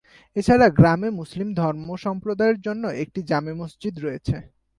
এছাড়া গ্রামে মুসলিম ধর্মসম্প্রদায়ের জন্য একটি জামে মসজিদ রয়েছে।